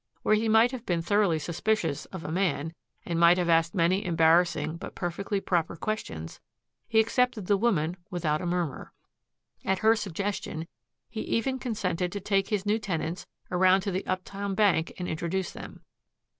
Where he might have been thoroughly suspicious of a man and might have asked many embarrassing but perfectly proper questions, he accepted the woman without a murmur. At her suggestion he even consented to take his new tenants around to the Uptown Bank and introduce them.